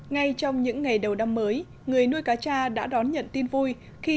ngay trong những ngày đầu năm mới người nuôi cá cha đã đón nhận tin vui khi